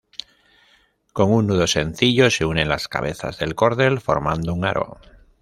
Con un nudo sencillo se unen las cabezas del cordel formando un aro.